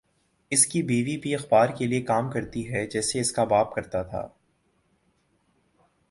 اس کی بیوی بھِی اخبار کے لیے کام کرتی ہے جیسے اس کا باپ کرتا تھا